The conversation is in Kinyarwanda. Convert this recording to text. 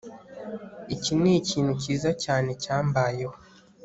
Iki nikintu cyiza cyane cyambayeho